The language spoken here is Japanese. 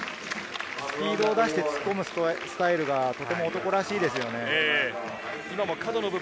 スピードを出して突っ込むスタイルがとても男らしいですよね。